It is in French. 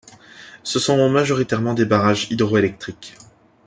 Ce sont majoritairement des barrages hydroélectriques.